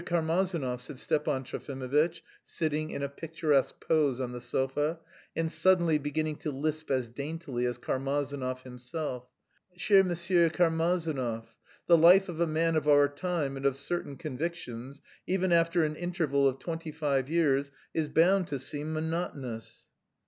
Karmazinov,"_ said Stepan Trofimovitch, sitting in a picturesque pose on the sofa and suddenly beginning to lisp as daintily as Karmazinov himself, "cher M. Karmazinov, the life of a man of our time and of certain convictions, even after an interval of twenty five years, is bound to seem monotonous..."